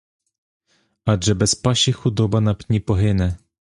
Адже без паші худоба на пні погине!